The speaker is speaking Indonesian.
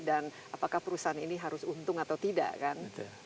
dan apakah perusahaan ini harus untung atau tidak kan